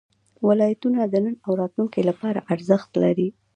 ولایتونه د نن او راتلونکي لپاره ارزښت لري.